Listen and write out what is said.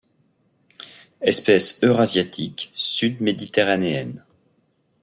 Espèce eurasiatique, subméditerranéenne.